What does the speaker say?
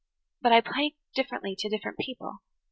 But I play differently to different people.